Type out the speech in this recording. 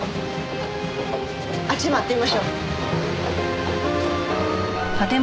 あっちへ回ってみましょう。